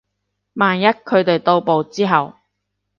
萬一佢哋到埗之後